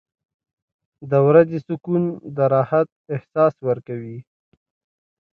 • د ورځې سکون د راحت احساس ورکوي.